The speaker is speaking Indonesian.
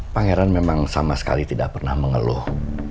pangeran memang sama sekali tidak pernah mengeluh